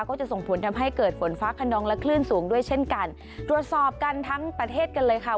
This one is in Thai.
ก็จะส่งผลทำให้เกิดฝนฟ้าขนองและคลื่นสูงด้วยเช่นกันตรวจสอบกันทั้งประเทศกันเลยค่ะ